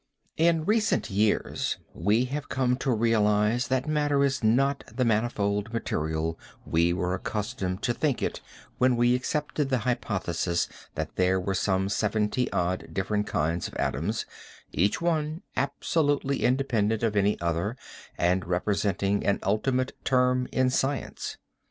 In recent years we have come to realize that matter is not the manifold material we were accustomed to think it when we accepted the hypothesis that there were some seventy odd different kinds of atoms, each one absolutely independent of any other and representing an ultimate term in science.